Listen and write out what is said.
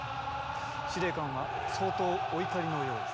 司令官は相当お怒りのようですな。